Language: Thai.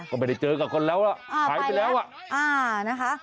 ก็ไม่ได้เจอกับคนแล้วอ่ะหายไปแล้วอ่ะอ่านะคะ